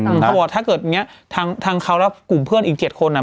เขาบอกถ้าเกิดอย่างเงี้ยทางทางเขาและกลุ่มเพื่อนอีกเจ็ดคนอ่ะ